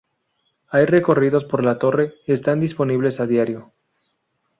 Hay recorridos por la torre están disponibles a diario.